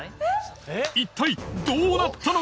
一体どうなったのか？